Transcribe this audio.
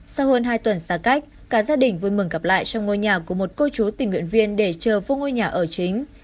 sau hơn hai tuần xa cách cả gia đình vui mừng gặp lại trong ngôi nhà của một cô chú tình nguyện viên để chờ phương ngôi nhà ở chính